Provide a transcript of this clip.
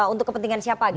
untuk kepentingan siapa gitu